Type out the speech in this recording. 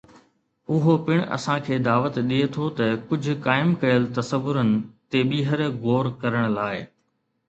اهو پڻ اسان کي دعوت ڏئي ٿو ته ڪجهه قائم ڪيل تصورن تي ٻيهر غور ڪرڻ لاء.